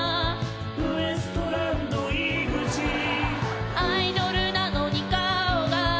「ウエストランド井口」「アイドルなのに顔が」